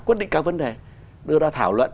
quyết định các vấn đề đưa ra thảo luận